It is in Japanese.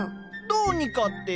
どうにかって。